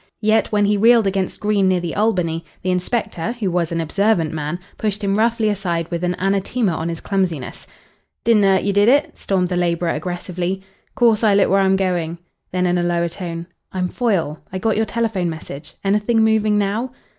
Yet, when he reeled against Green near the Albany, the inspector, who was an observant man, pushed him roughly aside with an anathema on his clumsiness. "Didn't 'urt you, did it?" stormed the labourer aggressively. "'Course I look where I'm going." Then in a lower tone: "I'm Foyle. I got your telephone message. Anything moving now?"